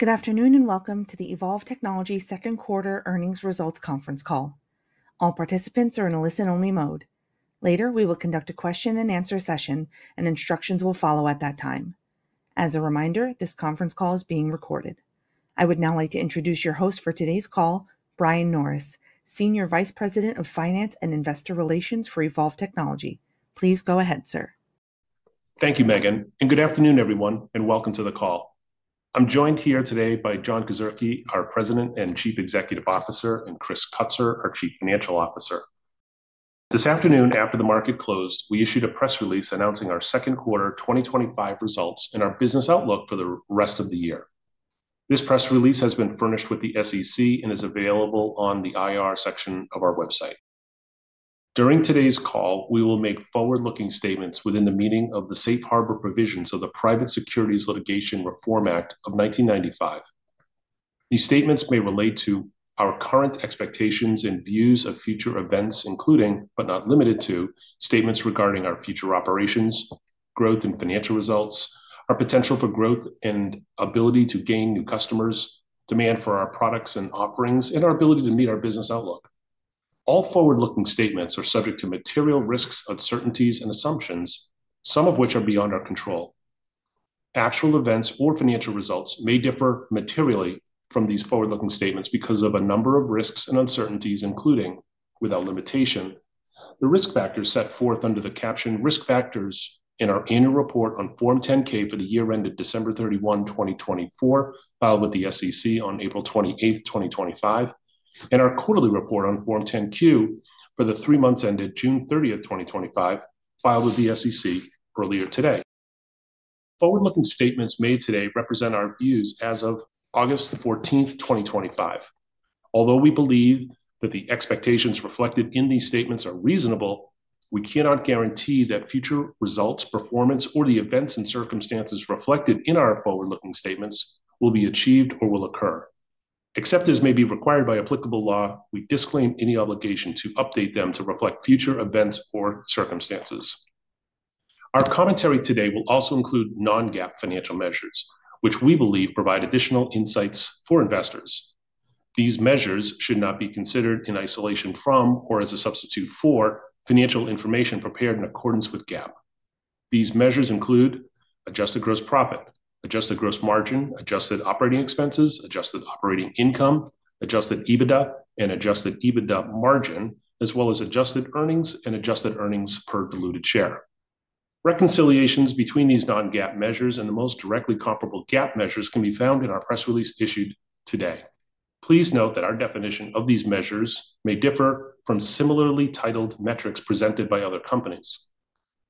Good afternoon and welcome to the Evolv Technologies second quarter earnings results conference call. All participants are in a listen-only mode. Later, we will conduct a question and answer session, and instructions will follow at that time. As a reminder, this conference call is being recorded. I would now like to introduce your host for today's call, Brian Norris, Senior Vice President of Finance and Investor Relations for Evolv Technologies. Please go ahead, sir. Thank you, Megan, and good afternoon, everyone, and welcome to the call. I'm joined here today by John Kedzierski, our President and Chief Executive Officer, and Chris Kutsor, our Chief Financial Officer. This afternoon, after the market closed, we issued a press release announcing our second quarter 2025 results and our business outlook for the rest of the year. This press release has been furnished with the SEC and is available on the IR section of our website. During today's call, we will make forward-looking statements within the meaning of the Safe Harbor Provisions of the Private Securities Litigation Reform Act of 1995. These statements may relate to our current expectations and views of future events, including, but not limited to, statements regarding our future operations, growth in financial results, our potential for growth and ability to gain new customers, demand for our products and offerings, and our ability to meet our business outlook. All forward-looking statements are subject to material risks, uncertainties, and assumptions, some of which are beyond our control. Actual events or financial results may differ materially from these forward-looking statements because of a number of risks and uncertainties, including, without limitation, the risk factors set forth under the caption "Risk Factors" in our annual report on Form 10-K for the year ended December 31, 2024, filed with the SEC on April 28, 2025, and our quarterly report on Form 10-Q for the three months ended June 30, 2025, filed with the SEC earlier today. Forward-looking statements made today represent our views as of August 14, 2025. Although we believe that the expectations reflected in these statements are reasonable, we cannot guarantee that future results, performance, or the events and circumstances reflected in our forward-looking statements will be achieved or will occur. Except as may be required by applicable law, we disclaim any obligation to update them to reflect future events or circumstances. Our commentary today will also include non-GAAP financial measures, which we believe provide additional insights for investors. These measures should not be considered in isolation from or as a substitute for financial information prepared in accordance with GAAP. These measures include adjusted gross profit, adjusted gross margin, adjusted operating expenses, adjusted operating income, adjusted EBITDA, and adjusted EBITDA margin, as well as adjusted earnings and adjusted earnings per diluted share. Reconciliations between these non-GAAP measures and the most directly comparable GAAP measures can be found in our press release issued today. Please note that our definition of these measures may differ from similarly titled metrics presented by other companies.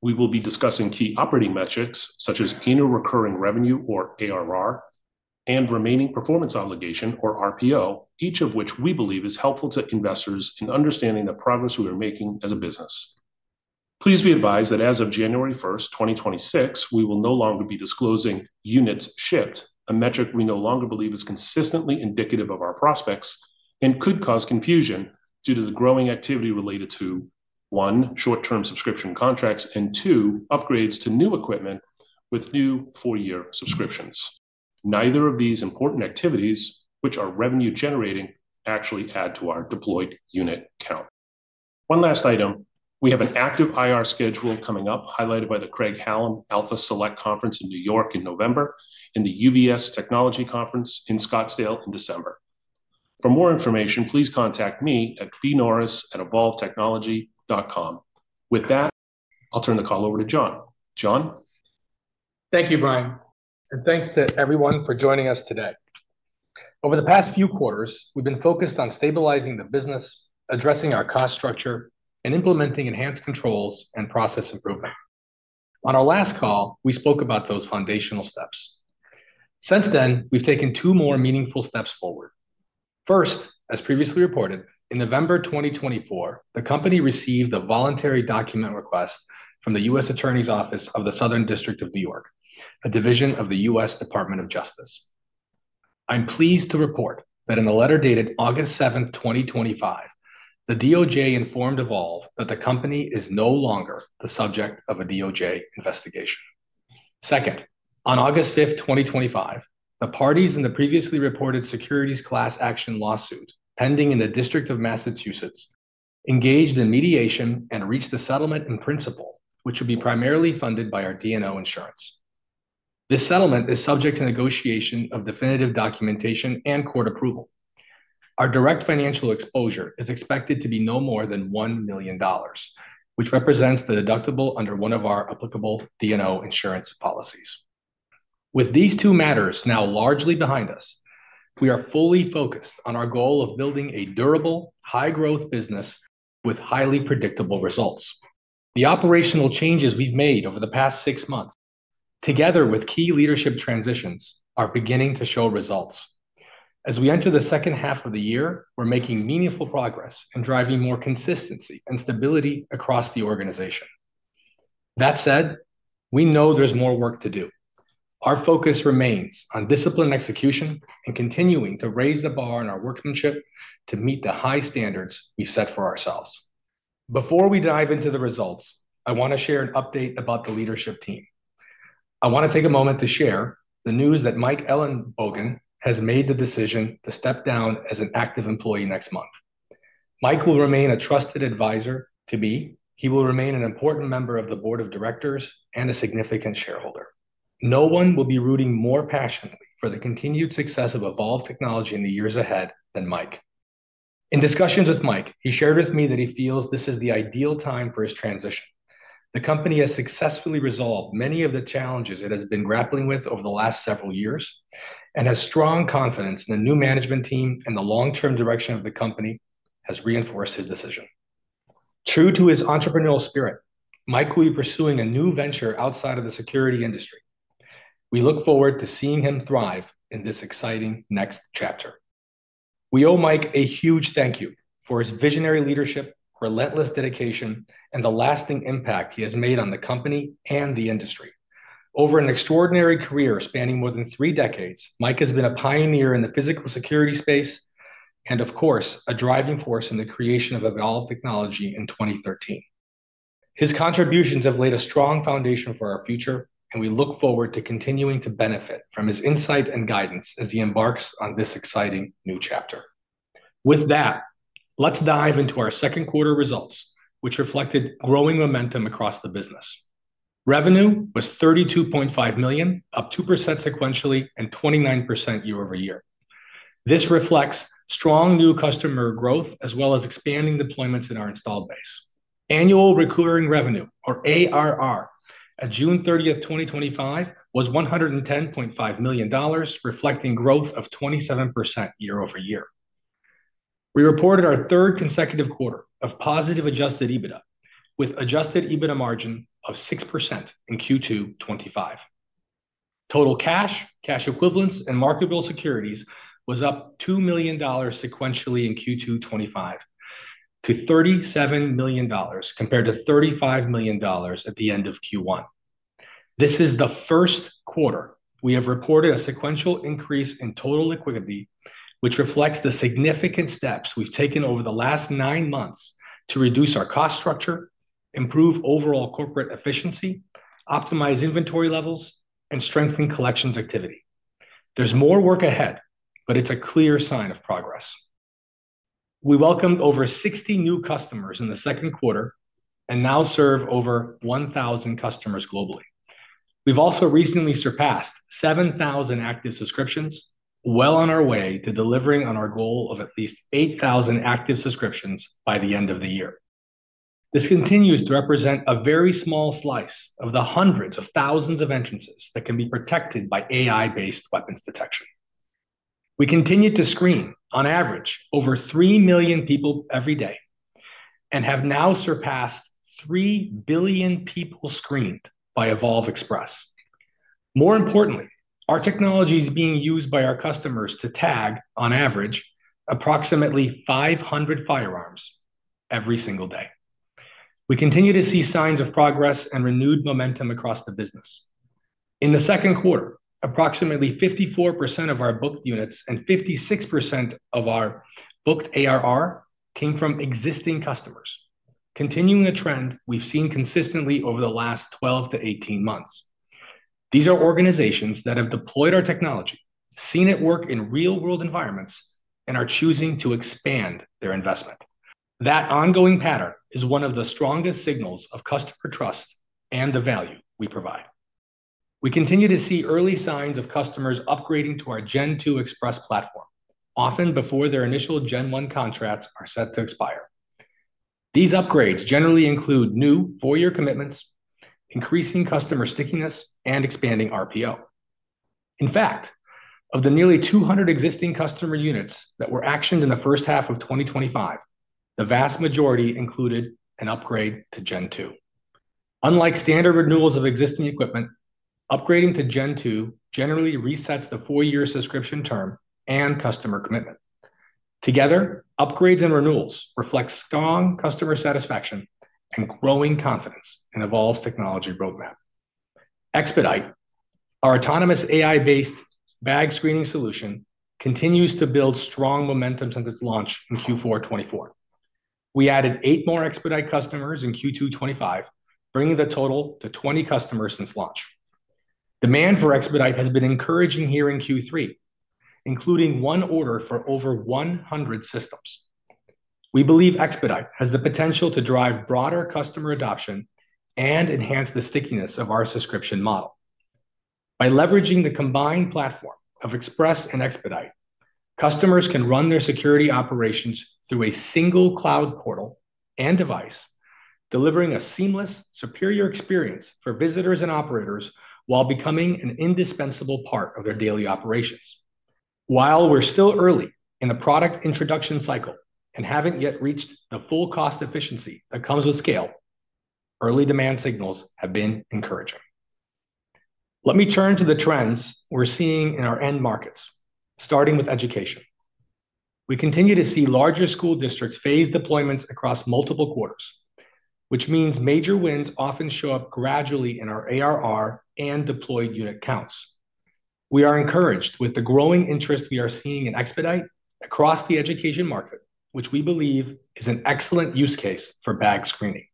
We will be discussing key operating metrics such as annual recurring revenue, or ARR, and remaining performance obligation, or RPO, each of which we believe is helpful to investors in understanding the progress we are making as a business. Please be advised that as of January 1, 2026, we will no longer be disclosing units shipped, a metric we no longer believe is consistently indicative of our prospects and could cause confusion due to the growing activity related to, one, short-term subscription contracts and, two, upgrades to new equipment with new four-year subscriptions. Neither of these important activities, which are revenue-generating, actually add to our deployed unit count. One last item, we have an active IR schedule coming up, highlighted by the Craig -Hallum Alpha Select Conference in New York in November and the UBS Technology Conference in Scottsdale in December. For more information, please contact me at bnorris@evolvtechnology.com. With that, I'll turn the call over to John. John? Thank you, Brian, and thanks to everyone for joining us today. Over the past few quarters, we've been focused on stabilizing the business, addressing our cost structure, and implementing enhanced controls and process improvement. On our last call, we spoke about those foundational steps. Since then, we've taken two more meaningful steps forward. First, as previously reported, in November 2024, the company received a voluntary document request from the U.S. Attorney's Office of the Southern District of New York, a division of the U.S. Department of Justice. I'm pleased to report that in a letter dated August 7, 2025, the DOJ informed Evolv that the company is no longer the subject of a DOJ investigation. Second, on August 5, 2025, the parties in the previously reported securities class action lawsuit pending in the District of Massachusetts engaged in mediation and reached the settlement in principle, which will be primarily funded by our D&O insurance. This settlement is subject to negotiation of definitive documentation and court approval. Our direct financial exposure is expected to be no more than $1 million, which represents the deductible under one of our applicable D&O insurance policies. With these two matters now largely behind us, we are fully focused on our goal of building a durable, high-growth business with highly predictable results. The operational changes we've made over the past six months, together with key leadership transitions, are beginning to show results. As we enter the second half of the year, we're making meaningful progress on driving more consistency and stability across the organization. That said, we know there's more work to do. Our focus remains on disciplined execution and continuing to raise the bar in our workmanship to meet the high standards we've set for ourselves. Before we dive into the results, I want to share an update about the leadership team. I want to take a moment to share the news that Mike Ellenbogen has made the decision to step down as an active employee next month. Mike will remain a trusted advisor to me. He will remain an important member of the board of directors and a significant shareholder. No one will be rooting more passion for the continued success of Evolv Technologies Holdings Inc. in the years ahead than Mike. In discussions with Mike, he shared with me that he feels this is the ideal time for his transition. The company has successfully resolved many of the challenges it has been grappling with over the last several years and has strong confidence in the new management team, and the long-term direction of the company has reinforced his decision. True to his entrepreneurial spirit, Mike will be pursuing a new venture outside of the security industry. We look forward to seeing him thrive in this exciting next chapter. We owe Mike a huge thank you for his visionary leadership, relentless dedication, and the lasting impact he has made on the company and the industry. Over an extraordinary career spanning more than three decades, Mike has been a pioneer in the physical security space and, of course, a driving force in the creation of Evolv Technologies Holdings Inc. in 2013. His contributions have laid a strong foundation for our future, and we look forward to continuing to benefit from his insight and guidance as he embarks on this exciting new chapter. With that, let's dive into our second quarter results, which reflected growing momentum across the business. Revenue was $32.5 million, up 2% sequentially and 29% year-over-year. This reflects strong new customer growth as well as expanding deployments in our installed base. Annual recurring revenue, or ARR, at June 30, 2025, was $110.5 million, reflecting growth of 27% year-over-year. We reported our third consecutive quarter of positive adjusted EBITDA, with an adjusted EBITDA margin of 6% in Q2 2025. Total cash, cash equivalents, and marketable securities was up $2 million sequentially in Q2 2025 to $37 million compared to $35 million at the end of Q1. This is the first quarter we have reported a sequential increase in total liquidity, which reflects the significant steps we've taken over the last nine months to reduce our cost structure, improve overall corporate efficiency, optimize inventory levels, and strengthen collections activity. There's more work ahead, but it's a clear sign of progress. We welcomed over 60 new customers in the second quarter and now serve over 1,000 customers globally. We've also recently surpassed 7,000 active subscriptions, well on our way to delivering on our goal of at least 8,000 active subscriptions by the end of the year. This continues to represent a very small slice of the hundreds of thousands of entrances that can be protected by AI-based weapons detection. We continue to screen, on average, over 3 million people every day and have now surpassed 3 billion people screened by Evolv Express. More importantly, our technology is being used by our customers to tag, on average, approximately 500 firearms every single day. We continue to see signs of progress and renewed momentum across the business. In the second quarter, approximately 54% of our booked units and 56% of our booked ARR came from existing customers, continuing a trend we've seen consistently over the last 12 -18 months. These are organizations that have deployed our technology, seen it work in real-world environments, and are choosing to expand their investment. That ongoing pattern is one of the strongest signals of customer trust and the value we provide. We continue to see early signs of customers upgrading to our Gen 2 Express platform, often before their initial Gen 1 contracts are set to expire. These upgrades generally include new four-year commitments, increasing customer stickiness, and expanding RPO. In fact, of the nearly 200 existing customer units that were actioned in the first half of 2025, the vast majority included an upgrade to Gen 2. Unlike standard renewals of existing equipment, upgrading to Gen 2 generally resets the four-year subscription term and customer commitment. Together, upgrades and renewals reflect strong customer satisfaction and growing confidence in Evolv's technology roadmap. Expedite, our autonomous AI-based bag screening solution, continues to build strong momentum since its launch in Q4 2024. We added eight more Expedite customers in Q2 2025, bringing the total to 20 customers since launch. Demand for Expedite has been encouraging here in Q3, including one order for over 100 systems. We believe Expedite has the potential to drive broader customer adoption and enhance the stickiness of our subscription model. By leveraging the combined platform of Express and Expedite, customers can run their security operations through a single cloud portal and device, delivering a seamless, superior experience for visitors and operators while becoming an indispensable part of their daily operations. While we're still early in the product introduction cycle and haven't yet reached the full cost efficiency that comes with scale, early demand signals have been encouraging. Let me turn to the trends we're seeing in our end markets, starting with education. We continue to see larger school districts phase deployments across multiple quarters, which means major wins often show up gradually in our ARR and deployed unit counts. We are encouraged with the growing interest we are seeing in Expedite across the education market, which we believe is an excellent use case for bag screening.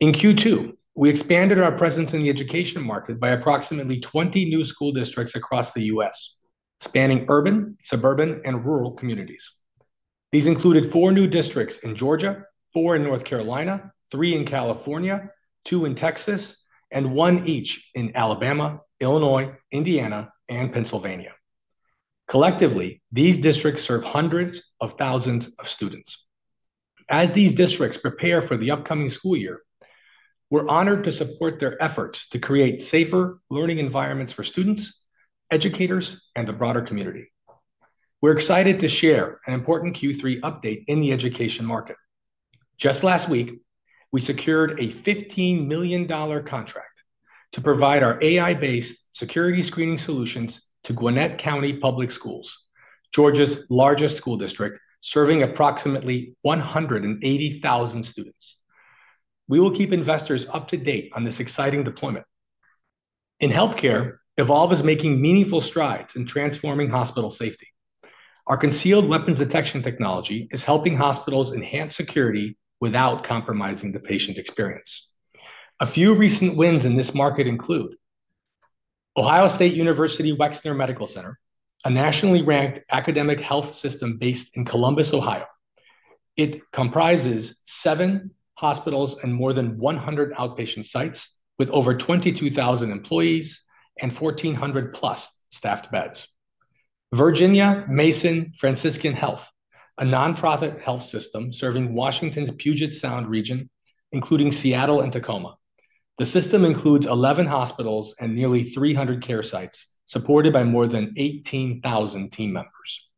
In Q2, we expanded our presence in the education market by approximately 20 new school districts across the U.S., spanning urban, suburban, and rural communities. These included four new districts in Georgia, four in North Carolina, three in California, two in Texas, and one each in Alabama, Illinois, Indiana, and Pennsylvania. Collectively, these districts serve hundreds of thousands of students. As these districts prepare for the upcoming school year, we're honored to support their efforts to create safer learning environments for students, educators, and the broader community. We're excited to share an important Q3 update in the education market. Just last week, we secured a $15 million contract to provide our AI-based security screening solutions to Gwinnett County Public Schools, Georgia's largest school district, serving approximately 180,000 students. We will keep investors up to date on this exciting deployment. In healthcare, Evolv is making meaningful strides in transforming hospital safety. Our concealed weapons detection technology is helping hospitals enhance security without compromising the patient experience. A few recent wins in this market include Ohio State University Wexner Medical Center, a nationally ranked academic health system based in Columbus, Ohio. It comprises seven hospitals and more than 100 outpatient sites, with over 22,000 employees and 1,400 plus staffed beds. Virginia Mason Franciscan Health, a nonprofit health system serving Washington's Puget Sound region, including Seattle and Tacoma. The system includes 11 hospitals and nearly 300 care sites, supported by more than 18,000 team members.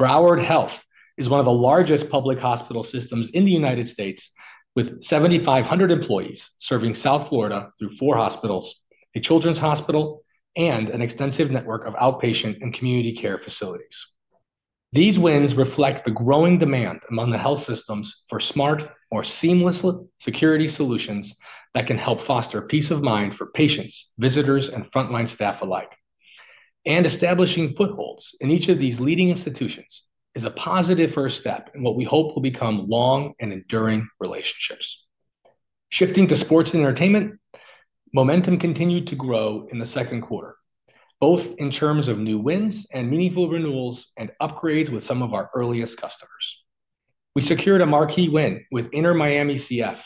Broward Health is one of the largest public hospital systems in the United States, with 7,500 employees serving South Florida through four hospitals, a children's hospital, and an extensive network of outpatient and community care facilities. These wins reflect the growing demand among the health systems for smart or seamless security solutions that can help foster peace of mind for patients, visitors, and frontline staff alike. Establishing footholds in each of these leading institutions is a positive first step in what we hope will become long and enduring relationships. Shifting to sports and entertainment, momentum continued to grow in the second quarter, both in terms of new wins and meaningful renewals and upgrades with some of our earliest customers. We secured a marquee win with Inter Miami CF,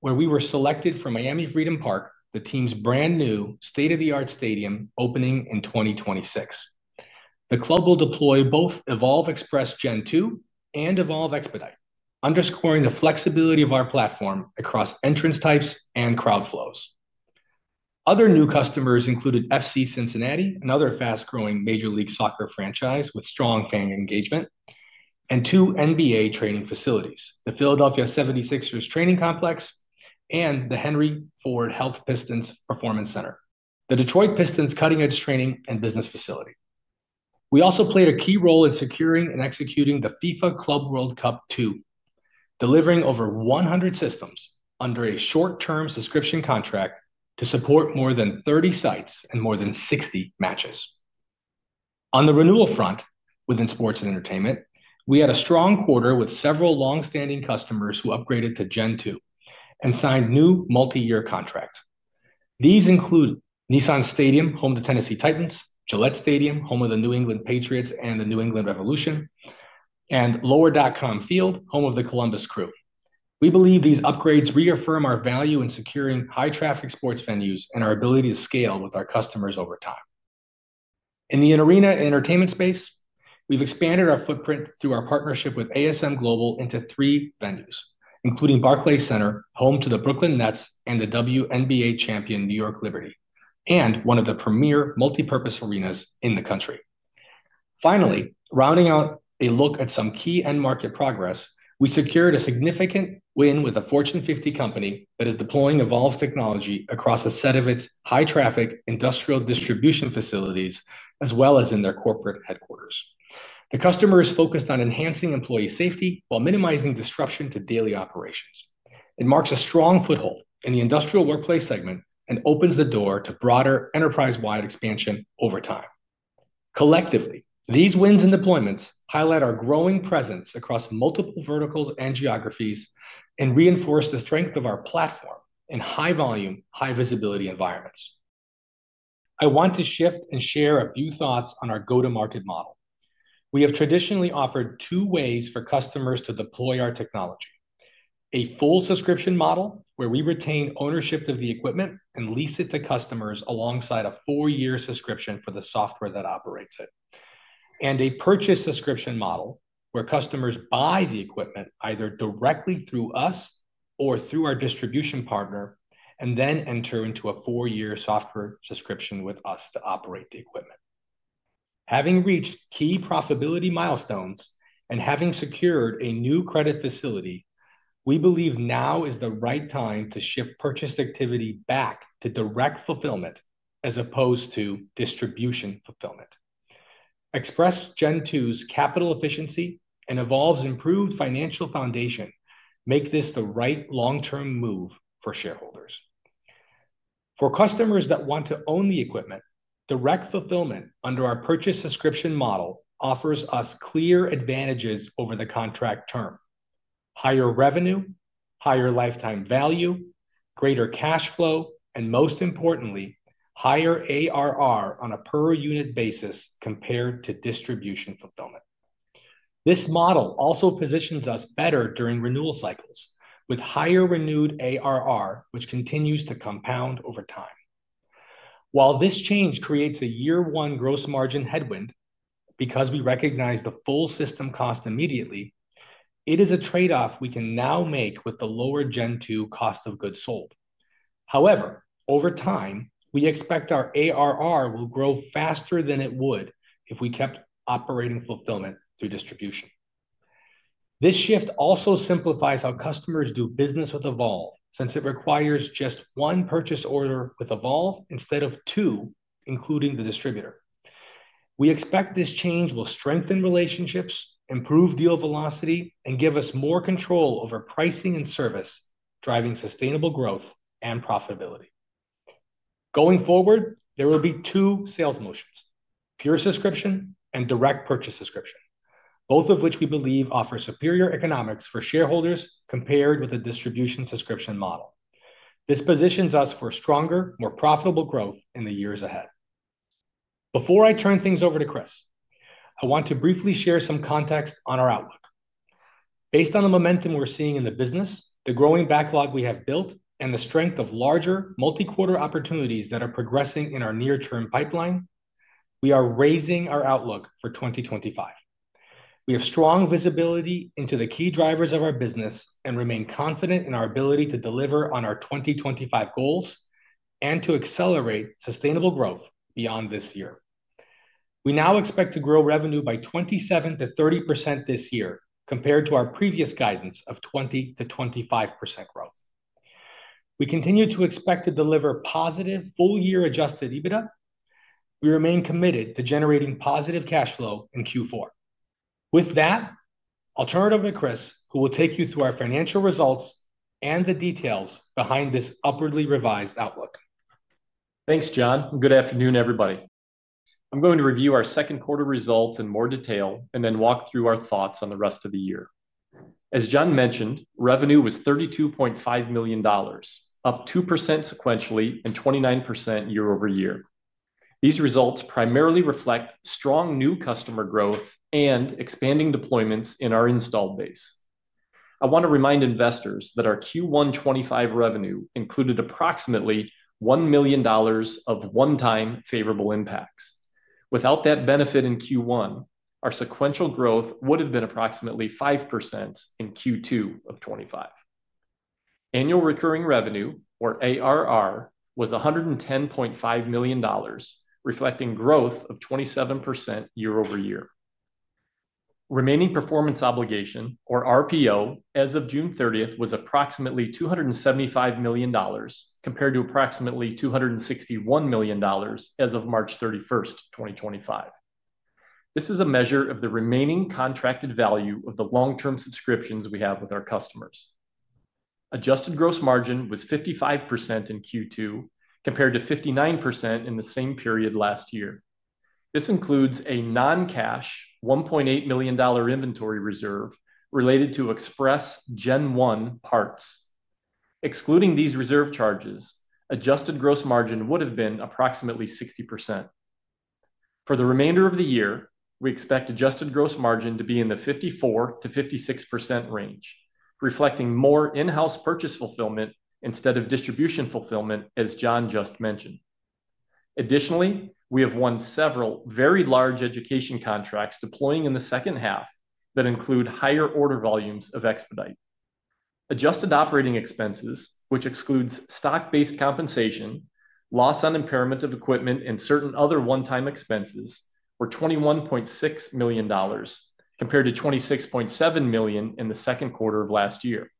where we were selected for Miami Freedom Park, the team's brand new state-of-the-art stadium opening in 2026. The club will deploy both Evolv Express Gen 2 and Evolv Expedite, underscoring the flexibility of our platform across entrance types and crowd flows. Other new customers included FC Cincinnati, another fast-growing Major League Soccer franchise with strong fan engagement, and two NBA training facilities, the Philadelphia 76ers Training Complex and the Henry Ford Health Pistons Performance Center, the Detroit Pistons cutting edge training and business facility. We also played a key role in securing and executing the FIFA Club World Cup II, delivering over 100 systems under a short-term subscription contract to support more than 30 sites and more than 60 matches. On the renewal front, within sports and entertainment, we had a strong quarter with several longstanding customers who upgraded to Gen 2 and signed new multi-year contracts. These include Nissan Stadium, home to Tennessee Titans, Gillette Stadium, home of the New England Patriots and the New England Revolution, and Lower.com Field, home of the Columbus Crew. We believe these upgrades reaffirm our value in securing high-traffic sports venues and our ability to scale with our customers over time. In the arena and entertainment space, we've expanded our footprint through our partnership with ASM Global into three venues, including Barclays Center, home to the Brooklyn Nets and the WNBA champion New York Liberty, and one of the premier multipurpose arenas in the country. Finally, rounding out a look at some key end-market progress, we secured a significant win with a Fortune 50 company that is deploying Evolv's technology across a set of its high-traffic industrial distribution facilities, as well as in their corporate headquarters. The customer is focused on enhancing employee safety while minimizing disruption to daily operations. It marks a strong foothold in the industrial workplace segment and opens the door to broader enterprise-wide expansion over time. Collectively, these wins and deployments highlight our growing presence across multiple verticals and geographies and reinforce the strength of our platform in high-volume, high-visibility environments. I want to shift and share a few thoughts on our go-to-market model. We have traditionally offered two ways for customers to deploy our technology: a full subscription model, where we retain ownership of the equipment and lease it to customers alongside a four-year subscription for the software that operates it, and a purchase subscription model, where customers buy the equipment either directly through us or through our distribution partner and then enter into a four-year software subscription with us to operate the equipment. Having reached key profitability milestones and having secured a new credit facility, we believe now is the right time to shift purchase activity back to direct fulfillment as opposed to distribution fulfillment. Evolv Express Gen 2's capital efficiency and Evolv's improved financial foundation make this the right long-term move for shareholders. For customers that want to own the equipment, direct fulfillment under our purchase subscription model offers us clear advantages over the contract term: higher revenue, higher lifetime value, greater cash flow, and most importantly, higher ARR on a per-unit basis compared to distribution fulfillment. This model also positions us better during renewal cycles, with higher renewed ARR, which continues to compound over time. While this change creates a year-one gross margin headwind because we recognize the full system cost immediately, it is a trade-off we can now make with the lower Gen 2 cost of goods sold. However, over time, we expect our ARR will grow faster than it would if we kept operating fulfillment through distribution. This shift also simplifies how customers do business with Evolv, since it requires just one purchase order with Evolv instead of two, including the distributor. We expect this change will strengthen relationships, improve deal velocity, and give us more control over pricing and service, driving sustainable growth and profitability. Going forward, there will be two sales motions: pure subscription and direct purchase subscription, both of which we believe offer superior economics for shareholders compared with the distribution subscription model. This positions us for stronger, more profitable growth in the years ahead. Before I turn things over to Chris, I want to briefly share some context on our outlook. Based on the momentum we're seeing in the business, the growing backlog we have built, and the strength of larger multi-quarter opportunities that are progressing in our near-term pipeline, we are raising our outlook for 2025. We have strong visibility into the key drivers of our business and remain confident in our ability to deliver on our 2025 goals and to accelerate sustainable growth beyond this year. We now expect to grow revenue by 27% - 30% this year, compared to our previous guidance of 20% - 25% growth. We continue to expect to deliver positive full-year adjusted EBITDA. We remain committed to generating positive cash flow in Q4. With that, I'll turn it over to Chris, who will take you through our financial results and the details behind this upwardly revised outlook. Thanks, John, and good afternoon, everybody. I'm going to review our second quarter results in more detail and then walk through our thoughts on the rest of the year. As John mentioned, revenue was $32.5 million, up 2% sequentially and 29% year-over-year. These results primarily reflect strong new customer growth and expanding deployments in our installed base. I want to remind investors that our Q1 2025 revenue included approximately $1 million of one-time favorable impacts. Without that benefit in Q1, our sequential growth would have been approximately 5% in Q2 of 2025. Annual recurring revenue, or ARR, was $110.5 million, reflecting growth of 27% year-over-year. Remaining performance obligation, or RPO, as of June 30 was approximately $275 million, compared to approximately $261 million as of March 31, 2025. This is a measure of the remaining contracted value of the long-term subscriptions we have with our customers. Adjusted gross margin was 55% in Q2, compared to 59% in the same period last year. This includes a non-cash $1.8 million inventory reserve related to Evolv Express Gen 1 parts. Excluding these reserve charges, adjusted gross margin would have been approximately 60%. For the remainder of the year, we expect adjusted gross margin to be in the 54% - 56% range, reflecting more in-house purchase fulfillment instead of distribution fulfillment, as John just mentioned. Additionally, we have won several very large education contracts deploying in the second half that include higher order volumes of Expedite. Adjusted operating expenses, which excludes stock-based compensation, loss on impairment of equipment, and certain other one-time expenses, were $21.6 million, compared to $26.7 million in the second quarter of last year.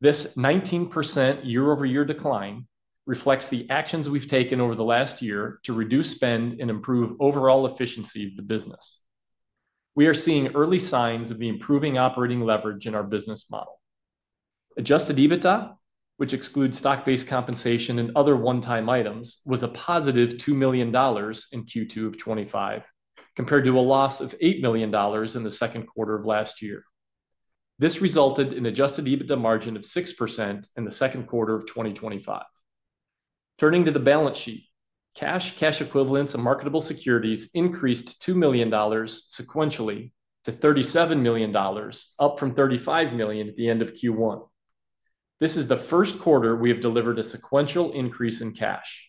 This 19% year-over-year decline reflects the actions we've taken over the last year to reduce spend and improve overall efficiency of the business. We are seeing early signs of the improving operating leverage in our business model. Adjusted EBITDA, which excludes stock-based compensation and other one-time items, was a positive $2 million in Q2 of 2025, compared to a loss of $8 million in the second quarter of last year. This resulted in an adjusted EBITDA margin of 6% in the second quarter of 2025. Turning to the balance sheet, cash, cash equivalents, and marketable securities increased $2 million sequentially to $37 million, up from $35 million at the end of Q1. This is the first quarter we have delivered a sequential increase in cash.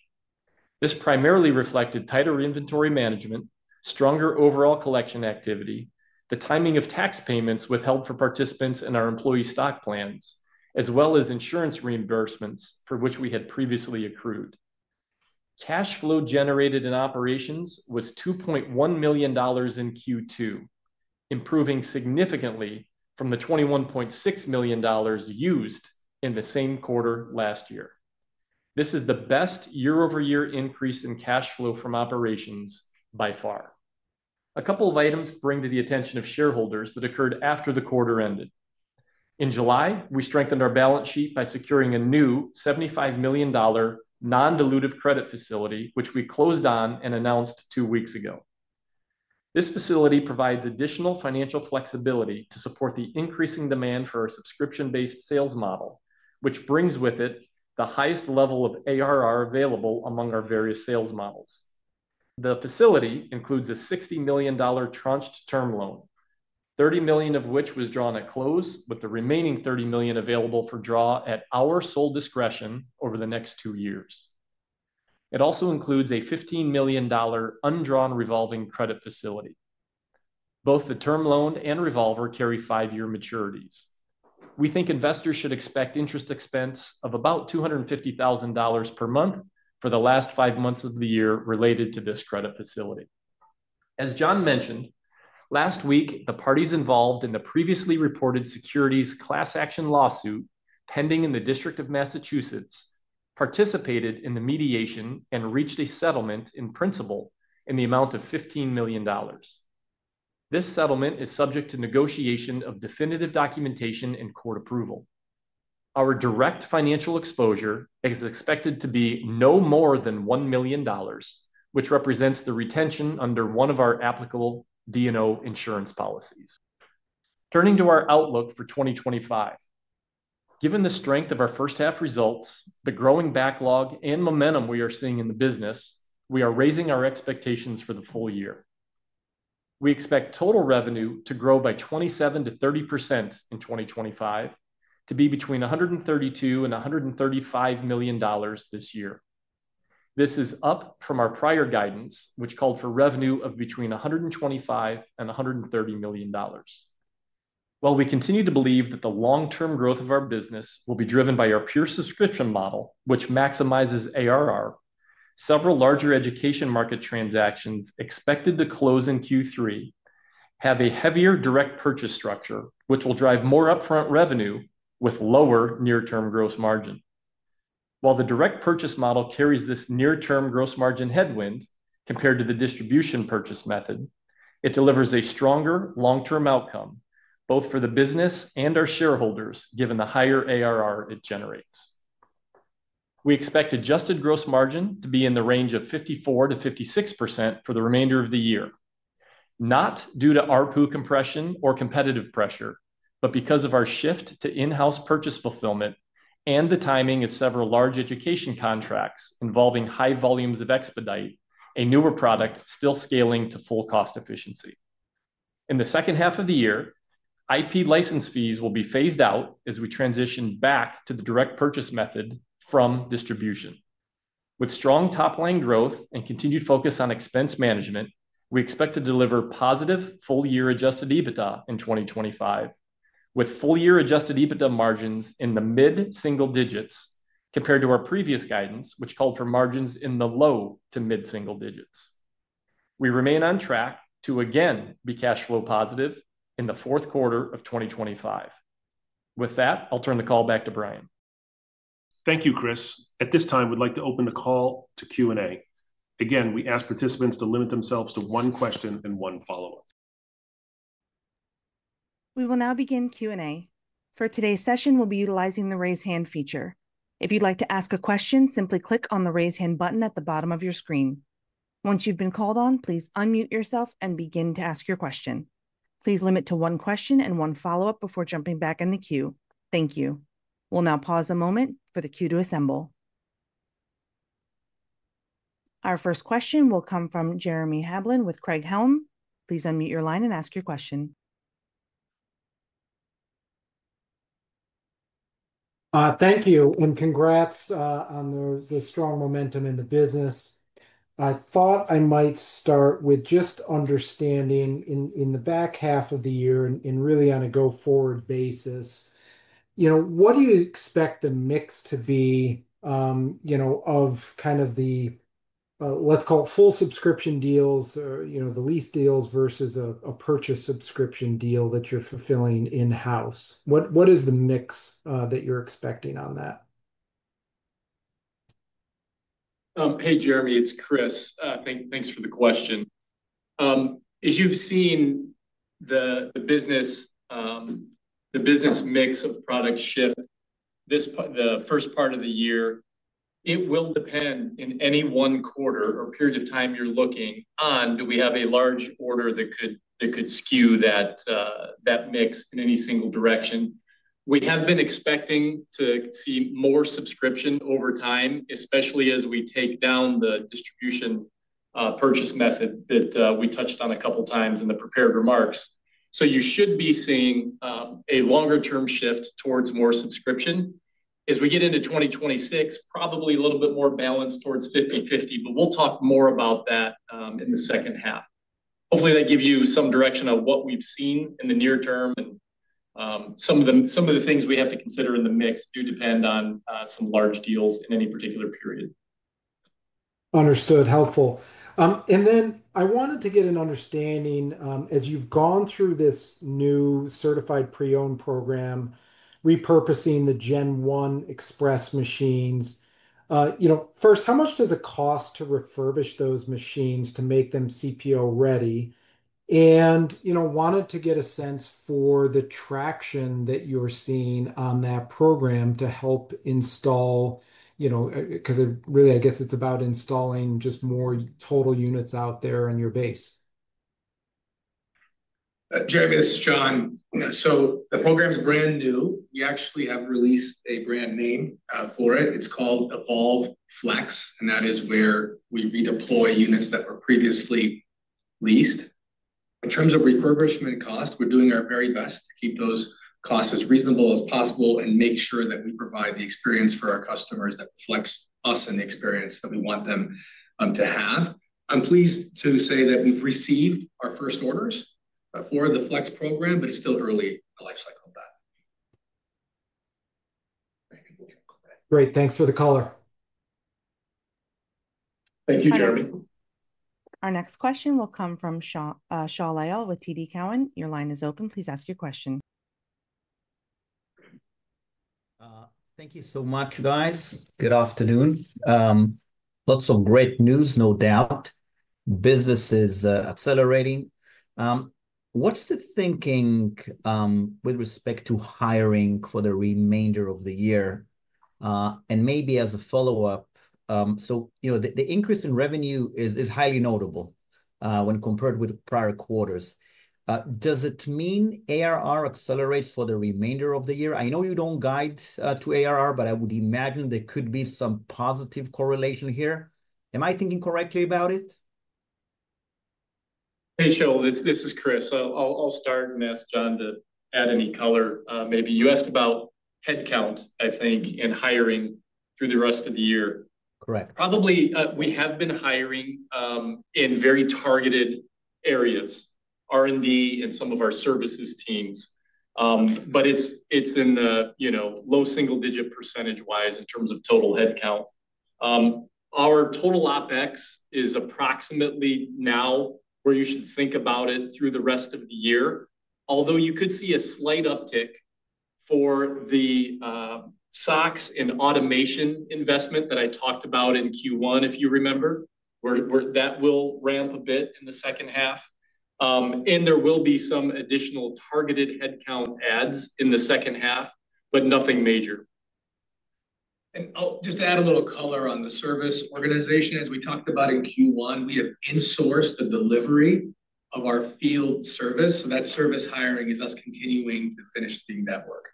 This primarily reflected tighter inventory management, stronger overall collection activity, the timing of tax payments withheld for participants in our employee stock plans, as well as insurance reimbursements for which we had previously accrued. Cash flow generated in operations was $2.1 million in Q2, improving significantly from the $21.6 million used in the same quarter last year. This is the best year-over-year increase in cash flow from operations by far. A couple of items to bring to the attention of shareholders that occurred after the quarter ended. In July, we strengthened our balance sheet by securing a new $75 million non-dilutive credit facility, which we closed on and announced two weeks ago. This facility provides additional financial flexibility to support the increasing demand for our subscription-based sales model, which brings with it the highest level of ARR available among our various sales models. The facility includes a $60 million tranched term loan, $30 million of which was drawn at close, with the remaining $30 million available for draw at our sole discretion over the next two years. It also includes a $15 million undrawn revolving credit facility. Both the term loan and revolver carry five-year maturities. We think investors should expect interest expense of about $250,000 per month for the last five months of the year related to this credit facility. As John mentioned, last week, the parties involved in the previously reported securities class action lawsuit pending in the District of Massachusetts participated in the mediation and reached a settlement in principle in the amount of $15 million. This settlement is subject to negotiation of definitive documentation and court approval. Our direct financial exposure is expected to be no more than $1 million, which represents the retention under one of our applicable D&O insurance policies. Turning to our outlook for 2025, given the strength of our first half results, the growing backlog, and momentum we are seeing in the business, we are raising our expectations for the full year. We expect total revenue to grow by 27% to 30% in 2025, to be between $132 million and $135 million this year. This is up from our prior guidance, which called for revenue of between $125 million and $130 million. While we continue to believe that the long-term growth of our business will be driven by our pure subscription model, which maximizes ARR, several larger education market transactions expected to close in Q3 have a heavier direct purchase structure, which will drive more upfront revenue with lower near-term gross margin. While the direct purchase model carries this near-term gross margin headwind compared to the distribution purchase method, it delivers a stronger long-term outcome both for the business and our shareholders, given the higher ARR it generates. We expect adjusted gross margin to be in the range of 54% to 56% for the remainder of the year, not due to ARPU compression or competitive pressure, but because of our shift to in-house purchase fulfillment and the timing of several large education contracts involving high volumes of Expedite, a newer product still scaling to full cost efficiency. In the second half of the year, IP license fees will be phased out as we transition back to the direct purchase method from distribution. With strong top-line growth and continued focus on expense management, we expect to deliver positive full-year adjusted EBITDA in 2025, with full-year adjusted EBITDA margins in the mid-single digits compared to our previous guidance, which called for margins in the low to mid-single digits. We remain on track to again be cash flow positive in the fourth quarter of 2025. With that, I'll turn the call back to Brian. Thank you, Chris. At this time, we'd like to open the call to Q&A. Again, we ask participants to limit themselves to one question and one follow-up. We will now begin Q&A. For today's session, we'll be utilizing the Raise Hand feature. If you'd like to ask a question, simply click on the Raise Hand button at the bottom of your screen. Once you've been called on, please unmute yourself and begin to ask your question. Please limit to one question and one follow-up before jumping back in the queue. Thank you. We'll now pause a moment for the queue to assemble. Our first question will come from Jeremy Hamblin with Craig-Hallum. Please unmute your line and ask your question. Thank you, and congrats on the strong momentum in the business. I thought I might start with just understanding in the back half of the year and really on a go-forward basis, you know, what do you expect the mix to be, you know, of kind of the, let's call it full subscription deals or, you know, the lease deals versus a purchase subscription deal that you're fulfilling in-house? What is the mix that you're expecting on that? Hey, Jeremy, it's Chris. Thanks for the question. As you've seen, the business mix of products shift this the first part of the year. It will depend in any one quarter or period of time you're looking on. Do we have a large order that could skew that mix in any single direction? We have been expecting to see more subscription over time, especially as we take down the distribution purchase method that we touched on a couple of times in the prepared remarks. You should be seeing a longer-term shift towards more subscription. As we get into 2026, probably a little bit more balance towards 50/50, but we'll talk more about that in the second half. Hopefully, that gives you some direction of what we've seen in the near term and some of the things we have to consider in the mix do depend on some large deals in any particular period. Understood. Helpful. I wanted to get an understanding as you've gone through this new Certified Pre-Owned program, repurposing the Gen 1 Express machines. First, how much does it cost to refurbish those machines to make them CPO ready? I wanted to get a sense for the traction that you're seeing on that program to help install, because it really, I guess it's about installing just more total units out there in your base. Jeremy, this is John. The program's brand new. We actually have released a brand name for it. It's called Evolv Flex, and that is where we redeploy units that were previously leased. In terms of refurbishment cost, we're doing our very best to keep those costs as reasonable as possible and make sure that we provide the experience for our customers that reflects us and the experience that we want them to have. I'm pleased to say that we've received our first orders for the Flex program, but it's still early in the lifecycle of that. Great. Thanks for the call. Thank you, Jeremy. Our next question will come from Shaul Eyal with TD Cowen. Your line is open. Please ask your question. Thank you so much, guys. Good afternoon. Lots of great news, no doubt. Business is accelerating. What's the thinking with respect to hiring for the remainder of the year? Maybe as a follow-up, the increase in revenue is highly notable when compared with prior quarters. Does it mean ARR accelerates for the remainder of the year? I know you don't guide to ARR, but I would imagine there could be some positive correlation here. Am I thinking correctly about it? Hey, Shaul, this is Chris. I'll start and ask John to add any color. Maybe you asked about headcount, I think, in hiring through the rest of the year. Correct. We have been hiring in very targeted areas, R&D and some of our services teams. It's in the low single-digit % in terms of total headcount. Our total OpEx is approximately now where you should think about it through the rest of the year, although you could see a slight uptick for the SOCs and automation investment that I talked about in Q1, if you remember. That will ramp a bit in the second half, and there will be some additional targeted headcount adds in the second half, but nothing major. I'll just add a little color on the service organization. As we talked about in Q1, we have insourced the delivery of our field service. That service hiring is us continuing to finish the network.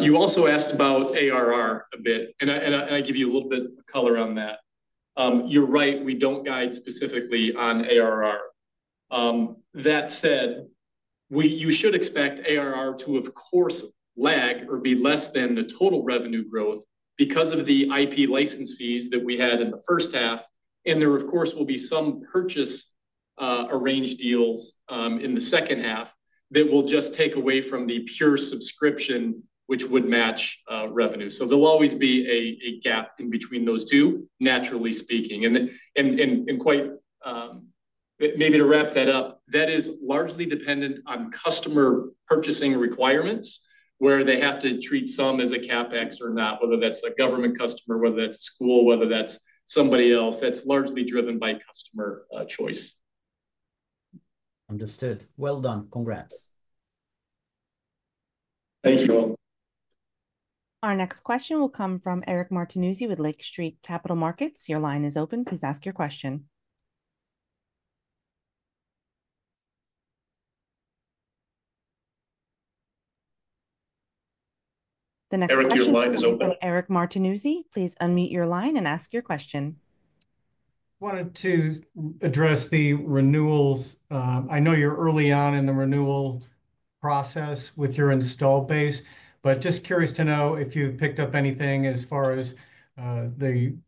You also asked about ARR a bit, and I give you a little bit of color on that. You're right, we don't guide specifically on ARR. That said, you should expect ARR to, of course, lag or be less than the total revenue growth because of the IP license fees that we had in the first half. There, of course, will be some purchase arranged deals in the second half that will just take away from the pure subscription, which would match revenue. There will always be a gap in between those two, naturally speaking. Quite maybe to wrap that up, that is largely dependent on customer purchasing requirements, where they have to treat some as a CapEx or not, whether that's a government customer, whether that's a school, whether that's somebody else. That's largely driven by customer choice. Understood. Well done. Congrats. Thanks, Shaul. Our next question will come from Eric Martinuzzi with Lake Street Capital Markets. Your line is open. Please ask your question. The next question will come from Eric Martinuzzi. Please unmute your line and ask your question. I wanted to address the renewals. I know you're early on in the renewal process with your installed base, but just curious to know if you've picked up anything as far as either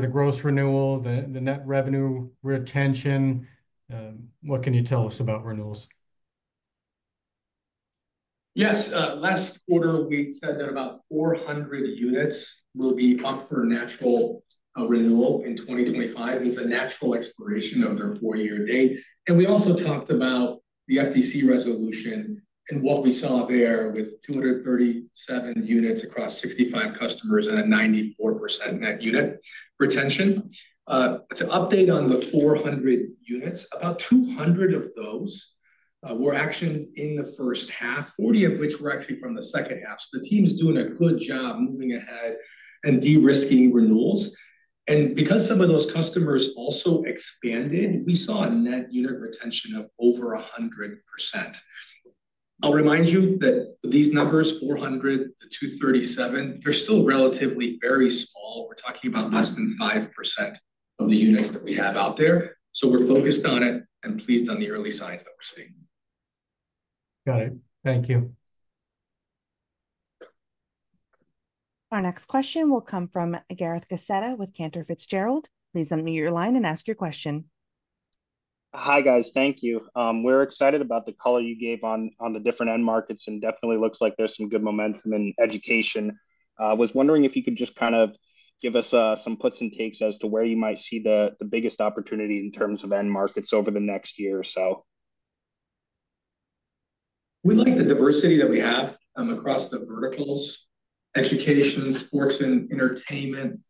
the gross renewal, the net revenue retention. What can you tell us about renewals? Yes. Last quarter, we said that about 400 units will be up for natural renewal in 2025. It's a natural expiration of their four-year date. We also talked about the FDC resolution and what we saw there with 237 units across 65 customers and a 94% net unit retention. To update on the 400 units, about 200 of those were actioned in the first half, 40 of which were actually from the second half. The team's doing a good job moving ahead and de-risking renewals. Because some of those customers also expanded, we saw a net unit retention of over 100%. I'll remind you that these numbers, 400 to 237, are still relatively very small. We're talking about less than 5% of the units that we have out there. We're focused on it and pleased on the early signs that we're seeing. Got it. Thank you. Our next question will come from Gareth Gacetta with Cantor Fitzgerald. Please unmute your line and ask your question. Hi, guys. Thank you. We're excited about the color you gave on the different end markets and definitely looks like there's some good momentum in education. I was wondering if you could just kind of give us some puts and takes as to where you might see the biggest opportunity in terms of end markets over the next year or so. We like the diversity that we have across the verticals: education, sports and entertainment,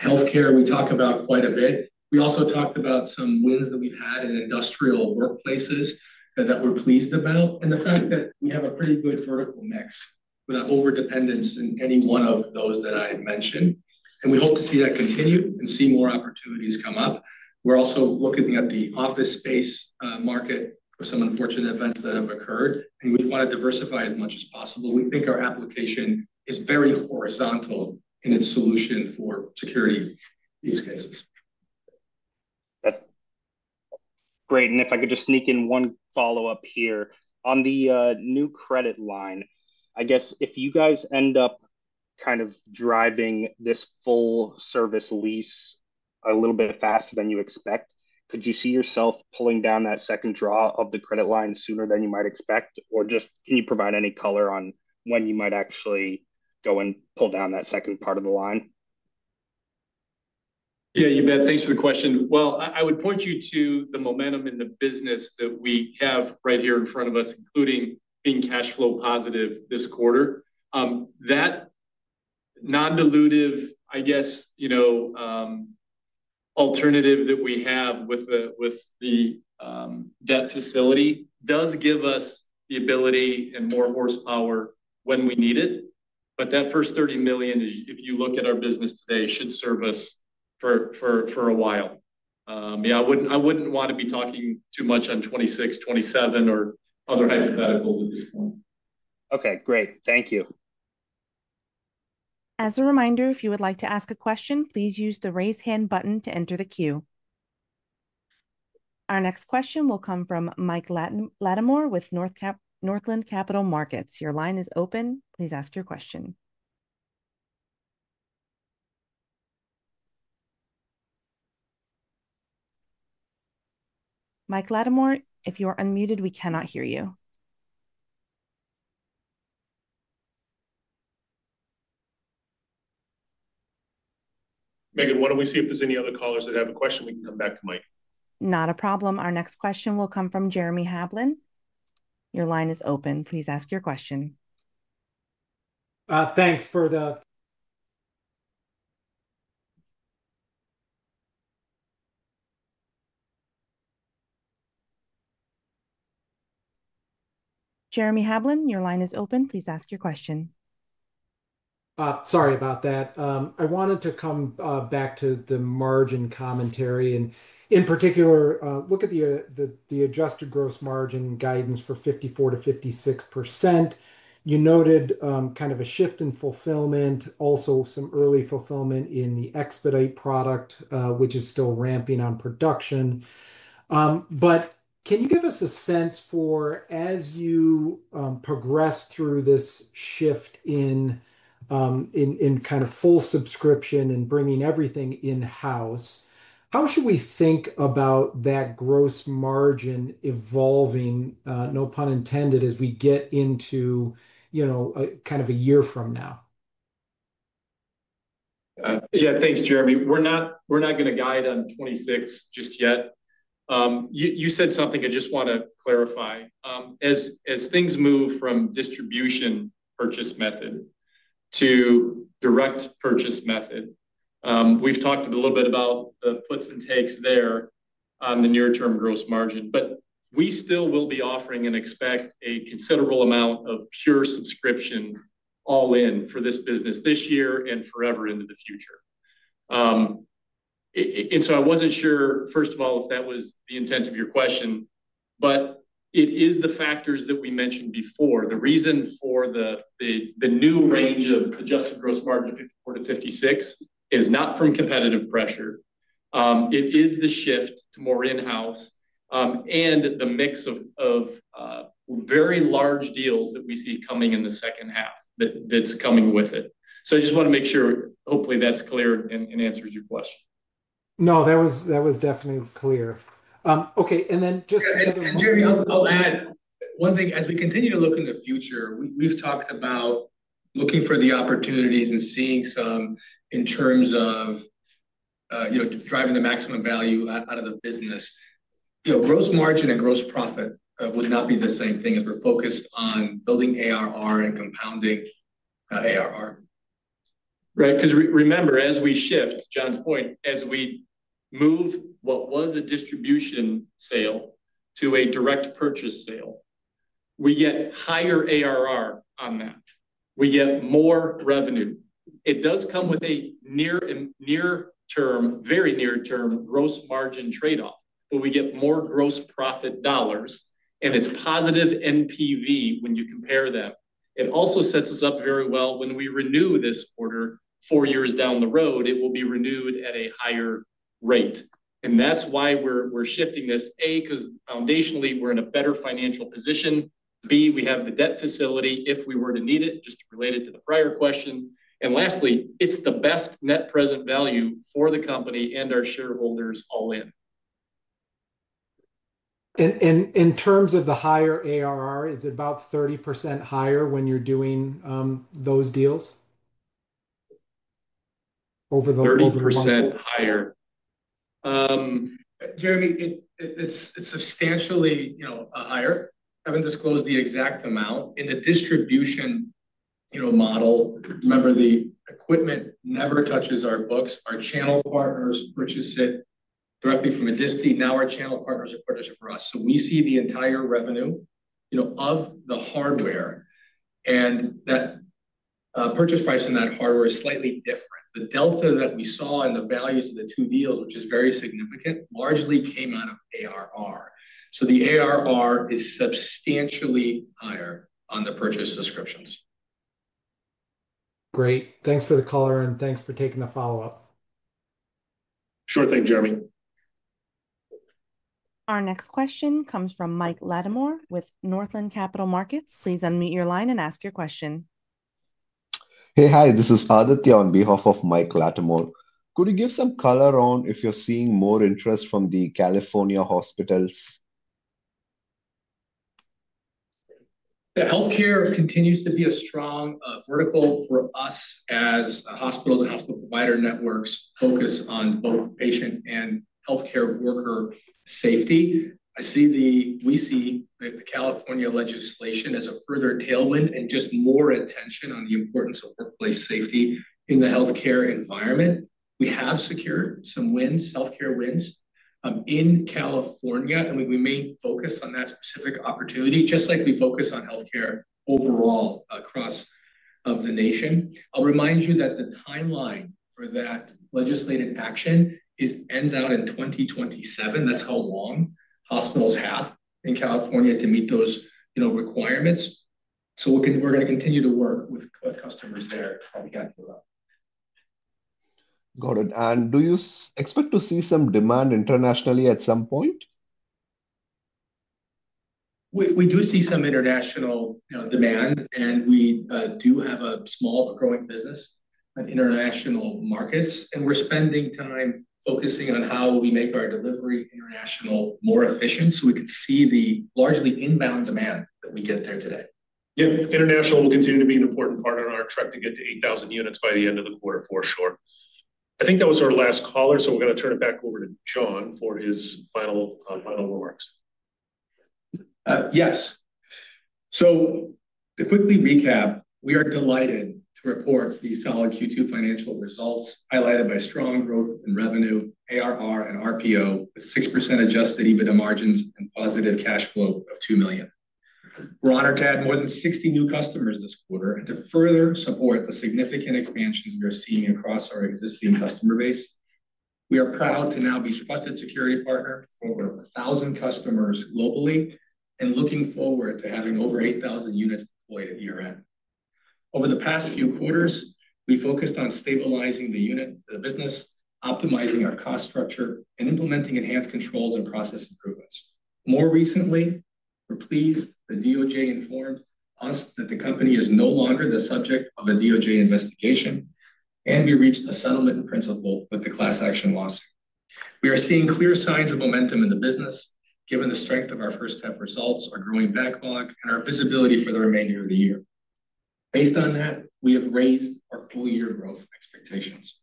healthcare. We talk about quite a bit. We also talked about some wins that we've had in industrial workplaces that we're pleased about, and the fact that we have a pretty good vertical mix without overdependence in any one of those that I mentioned. We hope to see that continue and see more opportunities come up. We're also looking at the office space market for some unfortunate events that have occurred, and we want to diversify as much as possible. We think our application is very horizontal in its solution for security use cases. That's great. If I could just sneak in one follow-up here on the new credit facility, I guess if you guys end up kind of driving this full service lease a little bit faster than you expect, could you see yourself pulling down that second draw of the credit facility sooner than you might expect? Could you provide any color on when you might actually go and pull down that second part of the facility? Yeah, you bet. Thanks for the question. I would point you to the momentum in the business that we have right here in front of us, including being cash flow positive this quarter. That non-dilutive, I guess, you know, alternative that we have with the debt facility does give us the ability and more horsepower when we need it. That first $30 million, if you look at our business today, should serve us for a while. I wouldn't want to be talking too much on 2026, 2027, or other hypotheticals at this point. Okay, great. Thank you. As a reminder, if you would like to ask a question, please use the Raise Hand button to enter the queue. Our next question will come from Michael Latimore with Northland Capital Markets. Your line is open. Please ask your question. Michael Latimore, if you are unmuted, we cannot hear you. Megan, why don't we see if there's any other callers that have a question? We can come back to Mike. Not a problem. Our next question will come from Jeremy Hamblin. Your line is open. Please ask your question. Thanks for the. Jeremy Hamblin, your line is open. Please ask your question. Sorry about that. I wanted to come back to the margin commentary and, in particular, look at the adjusted gross margin guidance for 54 to 56%. You noted kind of a shift in fulfillment, also some early fulfillment in the Expedite product, which is still ramping on production. Can you give us a sense for, as you progress through this shift in kind of full subscription and bringing everything in-house, how should we think about that gross margin evolving, no pun intended, as we get into, you know, kind of a year from now? Yeah, thanks, Jeremy. We're not going to guide on 2026 just yet. You said something I just want to clarify. As things move from distribution purchase method to direct purchase method, we've talked a little bit about the puts and takes there, the near-term gross margin. We still will be offering and expect a considerable amount of pure subscription all-in for this business this year and forever into the future. I wasn't sure, first of all, if that was the intent of your question, but it is the factors that we mentioned before. The reason for the new range of adjusted gross margin of 54% to 56% is not from competitive pressure. It is the shift to more in-house and the mix of very large deals that we see coming in the second half that's coming with it. I just want to make sure, hopefully, that's clear and answers your question. No, that was definitely clear. Okay, just another. Jeremy, I'll add one thing. As we continue to look in the future, we've talked about looking for the opportunities and seeing some in terms of driving the maximum value out of the business. Gross margin and gross profit would not be the same thing if we're focused on building ARR and compounding ARR. Right, because remember, as we shift, to John's point, as we move what was a distribution sale to a direct purchase sale, we get higher ARR on that. We get more revenue. It does come with a very near-term gross margin trade-off, where we get more gross profit dollars, and it's positive NPV when you compare them. It also sets us up very well when we renew this order four years down the road. It will be renewed at a higher rate. That's why we're shifting this. A, because foundationally, we're in a better financial position. B, we have the credit facility if we were to need it, just related to the prior question. Lastly, it's the best net present value for the company and our shareholders all in. In terms of the higher ARR, is it about 30% higher when you're doing those deals over the longer term?30% higher Jeremy, it's substantially higher. I haven't disclosed the exact amount. In the distribution model, remember, the equipment never touches our books. Our channel partners purchase it directly from Adisti. Now our channel partners are purchasing it for us. We see the entire revenue of the hardware, and that purchase price in that hardware is slightly different. The delta that we saw in the values of the two deals, which is very significant, largely came out of ARR. The ARR is substantially higher on the purchase subscriptions. Great. Thanks for the call, and thanks for taking the follow-up. Sure thing, Jeremy. Our next question comes from Michael Latimore with Northland Capital Markets. Please unmute your line and ask your question. Hey, hi. This is Aditya on behalf of Michael Latimore. Could you give some color on if you're seeing more interest from the California hospitals? Healthcare continues to be a strong vertical for us as hospitals and hospital provider networks focus on both patient and healthcare worker safety. We see the California legislation as a further tailwind and just more attention on the importance of workplace safety in the healthcare environment. We have secured some healthcare wins in California, and we may focus on that specific opportunity, just like we focus on healthcare overall across the nation. I'll remind you that the timeline for that legislative action ends out in 2027. That's how long hospitals have in California to meet those requirements. We're going to continue to work with customers too. Got it. Do you expect to see some demand internationally at some point? We do see some international demand, and we do have a small but growing business in international markets. We're spending time focusing on how we make our delivery international more efficient so we can see the largely inbound demand that we get there today. Yeah, international will continue to be an important part on our trip to get to 8,000 units by the end of the quarter, for sure. I think that was our last caller, so I'm going to turn it back over to John for his final remarks. Yes. To quickly recap, we are delighted to report the solid Q2 financial results highlighted by strong growth in revenue, ARR, and RPO with 6% adjusted EBITDA margins and positive cash flow of $2 million. We're honored to add more than 60 new customers this quarter to further support the significant expansions we are seeing across our existing customer base. We are proud to now be a trusted security partner for over 1,000 customers locally and looking forward to having over 8,000 units deployed at year-end. Over the past few quarters, we focused on stabilizing the unit, the business, optimizing our cost structure, and implementing enhanced controls and process improvements. More recently, we're pleased the DOJ informed us that the company is no longer the subject of a DOJ investigation, and we reached a settlement in principle with the securities class action lawsuit. We are seeing clear signs of momentum in the business, given the strength of our first half results, our growing backlog, and our visibility for the remainder of the year. Based on that, we have raised full-year growth expectations.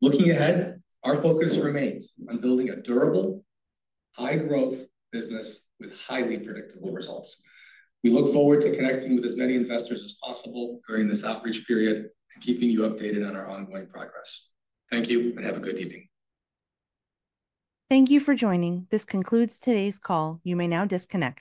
Looking ahead, our focus remains on building a durable, high-growth business with highly predictable results. We look forward to connecting with as many investors as possible during this outreach period and keeping you updated on our ongoing progress. Thank you and have a good evening. Thank you for joining. This concludes today's call. You may now disconnect.